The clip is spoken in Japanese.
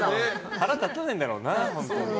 腹立たないんだろうな、本当に。